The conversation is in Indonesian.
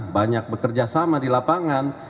banyak bekerja sama di lapangan